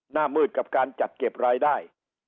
หน้ามืดกับการจัดเก็บรายได้